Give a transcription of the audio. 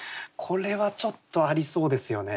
これはちょっとありそうですよね。